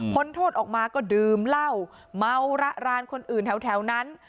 โทษออกมาก็ดื่มเหล้าเมาระรานคนอื่นแถวนั้น